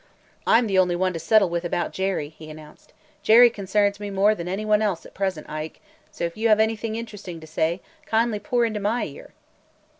"I 'm the only one to settle with about Jerry!" he announced. "Jerry concerns me more than any one else at present, Ike, so if you have anything interesting to say, kindly pour into my ear!"